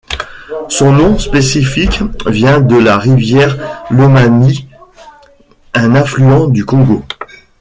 Son nom spécifique vient de la rivière Lomami, un affluent du Congo.